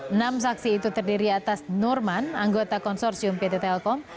enam saksi itu terdiri atas nurman anggota konsorsium pt telkom